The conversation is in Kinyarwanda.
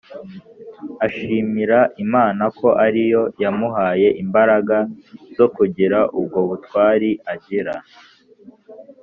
ashimira Imana ko ari yo yamuhaye imbaraga zo kugira ubwo butwari agira